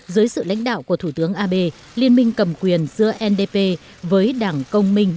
dưới sự lãnh đạo của thủ tướng abe liên minh cầm quyền giữa ndp với đảng công minh